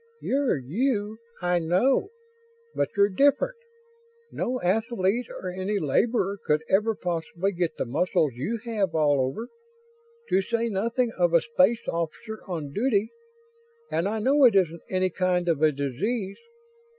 "You're you, I know, but you're different. No athlete or any laborer could ever possibly get the muscles you have all over. To say nothing of a space officer on duty. And I know it isn't any kind of a disease.